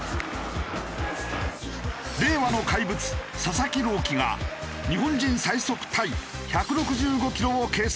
令和の怪物佐々木朗希が日本人最速タイ１６５キロを計測。